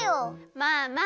まあまあ。